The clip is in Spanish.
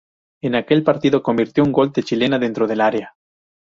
En aquel partido convirtió un gol de chilena dentro del área.